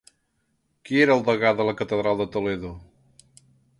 Qui era el degà de la catedral de Toledo?